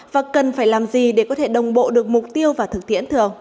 và cần phải làm gì để có thể đồng bộ được mục tiêu và thực tiễn thường